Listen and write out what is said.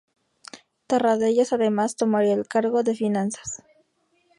Tarradellas además tomaría el cargo de finanzas.